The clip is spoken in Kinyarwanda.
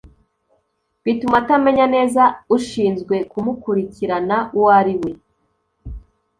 bituma atamenya neza ushinzwe kumukurikirana uwo ari we